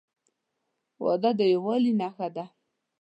• واده د یووالي نښه ده.